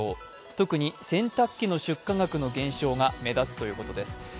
特に洗濯機の出荷額の減少が目立つということです。